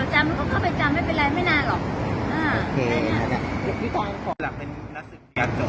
ฉานเขาเข้าใจแล้วแต่เราไม่รู้ว่ายังไงว่าในวันนามพิภาษาจะกันยังไง